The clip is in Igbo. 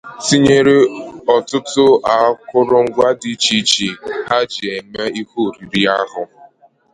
tinyere ọtụtụ akụrụngwa dị iche iche ha ji eme ihe oriri ahụ